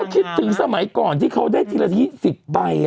คิดถึงสมัยก่อนที่เขาได้ทีละ๒๐ใบ